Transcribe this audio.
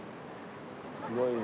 すごいな。